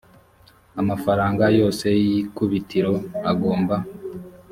amafaranga yose y ikubitiro agomba